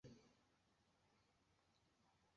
Los reptiles están muy poco representados.